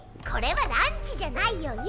これはランチじゃないよ。